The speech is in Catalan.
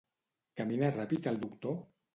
Camina ràpid el doctor?